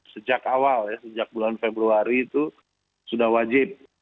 sejak awal ya sejak bulan februari itu sudah wajib